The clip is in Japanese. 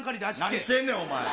何してんねん、お前。